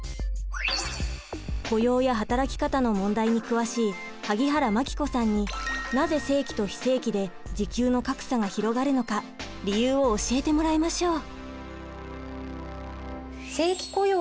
雇用や働き方の問題に詳しい萩原牧子さんになぜ正規と非正規で時給の格差が広がるのか理由を教えてもらいましょう。